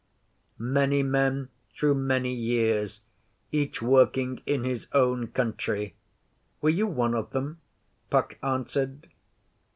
'Many men through many years, each working in his own country. Were you one of them?' Puck answered.